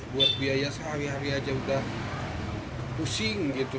buat biaya sehari hari aja udah pusing gitu